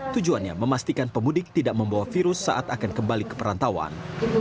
tujuannya memastikan pemudik tidak membawa virus saat akan kembali ke perantauan